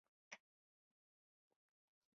لوړې کلاګانې د پوځي او سیاسي موخو لپاره جوړې شوې.